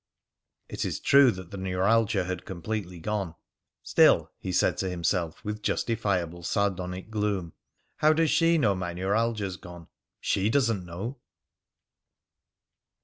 It is true that the neuralgia had completely gone. "Still," he said to himself with justifiable sardonic gloom, "how does she know my neuralgia's gone? She doesn't know."